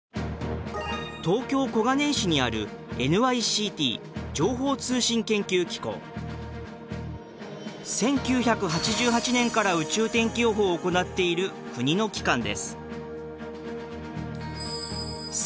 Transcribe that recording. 東京・小金井市にある１９８８年から宇宙天気予報を行っている国の機関です。